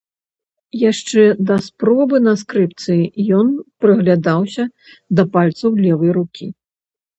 Яшчэ да спробы на скрыпцы ён прыглядаўся да пальцаў левай рукі.